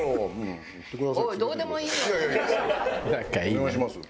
お願いします。